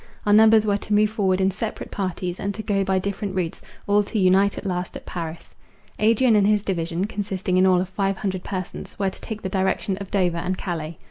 Our numbers were to move forward in separate parties, and to go by different routes, all to unite at last at Paris. Adrian and his division, consisting in all of five hundred persons, were to take the direction of Dover and Calais.